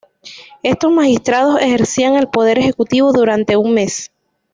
Estos magistrados ejercían el poder ejecutivo durante un mes.